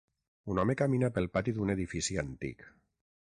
Un home camina pel pati d'un edifici antic.